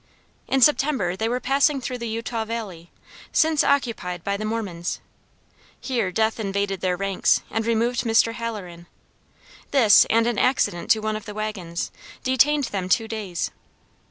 In September, they were passing through the Utah Valley, since occupied by the Mormons. Here death invaded their ranks, and removed Mr. Hallerin. This and an accident to one of the wagons, detained them two days.